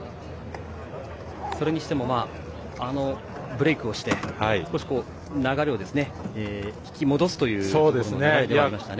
それにしてもブレークをして少し流れを引き戻すというところではありましたね。